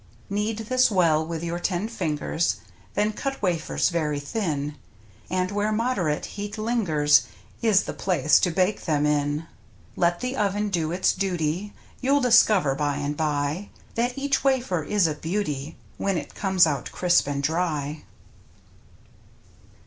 Knead this well with your ten fingers, Then cut wafers very thin, And where moderate heat lingers Is the place to bake them in. Let the oven do its duty. You'll discover by and by That each wafer is a beauty When it comes out crisp and dry.